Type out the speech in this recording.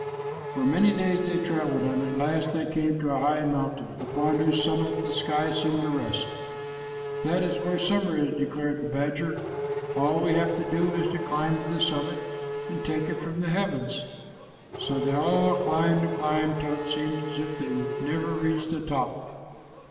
For many days they traveled, and at last they came to a high mountain upon whose summit the sky seemed to rest. "That is where summer is," declared the badger. "All we have to do is to climb to the summit and take it from the heavens." So they all climbed and climbed, till it seemed as if they would never reach the top.